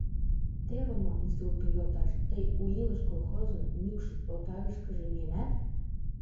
Теве мо, инструктор йолташ, тый «У илыш» колхозын мӱкш отарышкыже миенат?